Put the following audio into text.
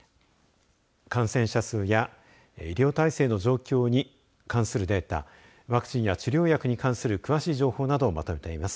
感染者数や医療体制の状況に関するデータワクチンや治療薬に関する詳しい情報などをまとめています。